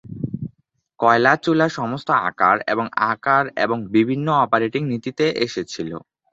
কয়লা চুলা সমস্ত আকার এবং আকার এবং বিভিন্ন অপারেটিং নীতিতে এসেছিল।